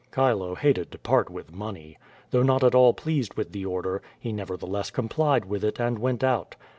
Chilo hated to part with money. Though not at all pleased with the order, he nevertheless complied with it and went out.